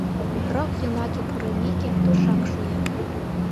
Рок йымаке пурымеке, тушак шӱят.